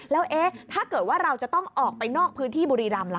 แล้วเอ๊ะถ้าเกิดว่าเราจะต้องออกไปนอกพื้นที่บุรีรำล่ะ